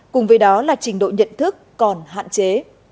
cùng với đó là trình độ nhận thức còn hạn chế